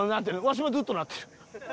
わしもずっとなってる。